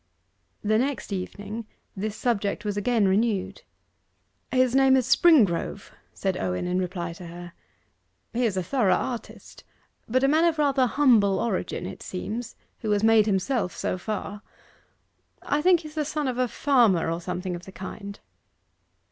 The next evening this subject was again renewed. 'His name is Springrove,' said Owen, in reply to her. 'He is a thorough artist, but a man of rather humble origin, it seems, who has made himself so far. I think he is the son of a farmer, or something of the kind.